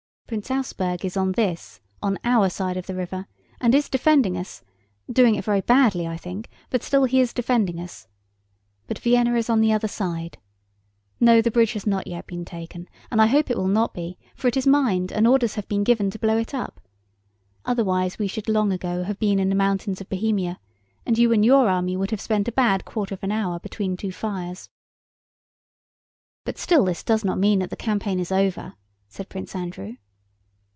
"Prince Auersperg is on this, on our side of the river, and is defending us—doing it very badly, I think, but still he is defending us. But Vienna is on the other side. No, the bridge has not yet been taken and I hope it will not be, for it is mined and orders have been given to blow it up. Otherwise we should long ago have been in the mountains of Bohemia, and you and your army would have spent a bad quarter of an hour between two fires." "But still this does not mean that the campaign is over," said Prince Andrew.